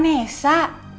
ini beneran nisa